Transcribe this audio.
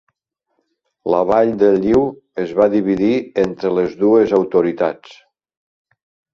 La vall de Lliw es va dividir entre les dues autoritats.